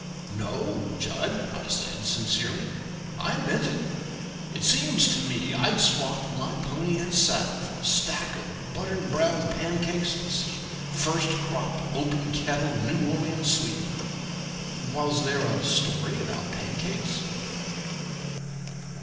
"No, Jud," I said, sincerely, "I meant it. It seems to me I'd swap my pony and saddle for a stack of buttered brown pancakes with some first crop, open kettle, New Orleans sweetening. Was there a story about pancakes?"